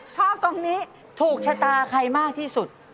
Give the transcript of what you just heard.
ชอบตรงนี้ถูกชะตาใครมากที่สุด